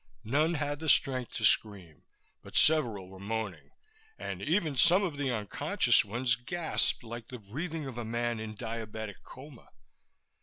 None had the strength to scream, but several were moaning and even some of the unconscious ones gasped like the breathing of a man in diabetic coma.